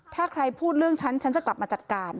ถ้าใครพูดเรื่องฉันฉันจะกลับมาจัดการ